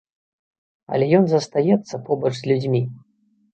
Але ён застаецца побач з людзьмі.